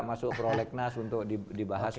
masuk prolegnas untuk dibahas